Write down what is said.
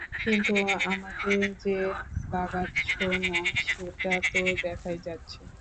কিন্তু আমাকে যে লাগাচ্ছ না, সেটা তো দেখাই যাচ্ছে!